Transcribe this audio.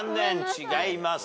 違います。